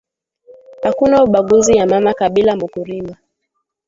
Akuna ubaguzi ya ma kabila muku rima